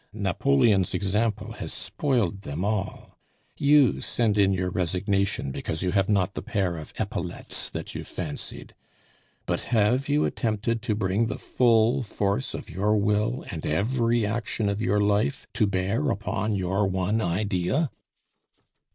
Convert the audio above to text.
Napoleon's example has spoiled them all. You send in your resignation because you have not the pair of epaulettes that you fancied. But have you attempted to bring the full force of your will and every action of your life to bear upon your one idea?"